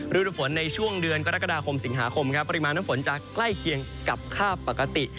ฤดูฝนในช่วงเดือนกรกฎาคมสิงหาคมครับปริมาณน้ำฝนจะใกล้เคียงกับค่าปกติ